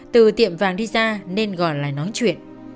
từ tiệm vàng đi ra nên gọi là nói chuyện